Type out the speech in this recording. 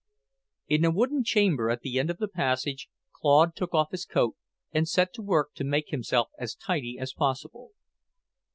In a wooden chamber at the end of the passage, Claude took off his coat, and set to work to make himself as tidy as possible.